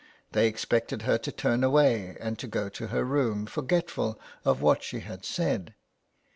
They expected her to turn away and to go to her room, forgetful of what she had said.